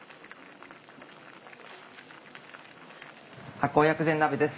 醗酵薬膳鍋です。